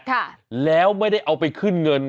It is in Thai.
ค่ะแล้วไม่ได้เอาไปขึ้นเงิน